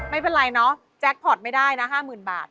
ไม่เป็นไรแจ๊คพอตไม่ได้นะ๕๐๐๐๐บาท